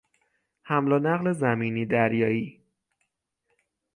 حمل و نقل زمینی دریایی